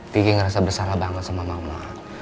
kiki ngerasa bersalah banget sama mama